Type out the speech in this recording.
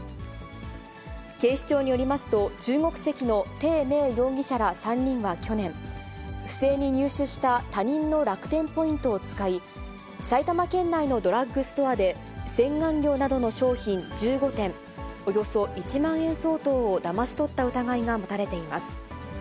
警視庁によりますと、中国籍のていめい容疑者ら３人は去年、不正に入手した他人の楽天ポイントを使い、埼玉県内のドラッグストアで、洗顔料などの商品１５点、およそ１万円相当をだまし取った疑いが持たれています。